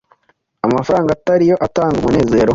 amafaranga atariyo atanga umunezero,